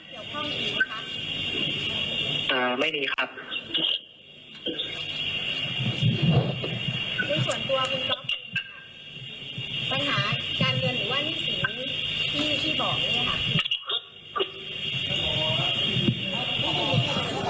กับพ่อหรือร้านทองหรือคนที่เขียวพ่อหรือค่ะอ่าไม่ดี